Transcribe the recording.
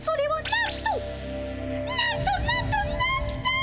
なんとなんとなんと！